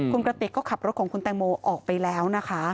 คุณกระติกก็ขับรถของคุณแตงโมออกไปแล้วนะคะ